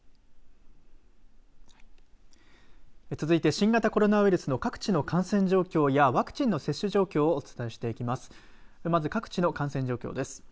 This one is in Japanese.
続いて新型コロナウイルスの各地の感染状況やワクチンの接種状況をお伝えしていきます。